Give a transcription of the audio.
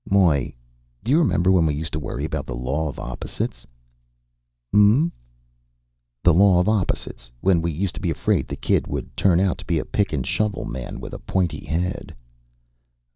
"Moy, do you remember when we used to worry about the law of opposites?" "Mm?" "The law of opposites. When we used to be afraid the kid would turn out to be a pick and shovel man with a pointy head."